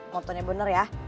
motonya bener ya